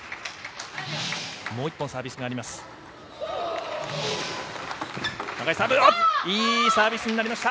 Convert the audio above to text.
もう１本サービスがあります。